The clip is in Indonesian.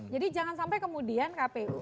jadi jangan sampai kemudian kpu